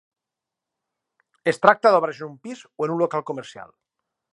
Es tracta d'obres en un pis, o en un local comercial?